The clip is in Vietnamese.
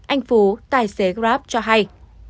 anh phú tài xế grab cho hay